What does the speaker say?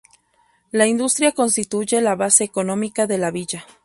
La industria constituye la base económica de la villa.